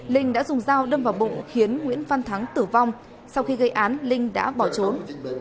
linh đã dùng dao đâm vào bụng khiến nguyễn văn thắng tử vong sau khi gây án linh đã bỏ trốn